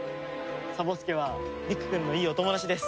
サボ助は理玖くんのいいお友達です。